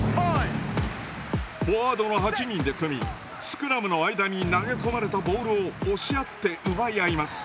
フォワードの８人で組みスクラムの間に投げ込まれたボールを押し合って奪い合います。